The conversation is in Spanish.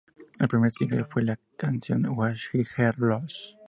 El primer single fue la canción "Was ist hier los?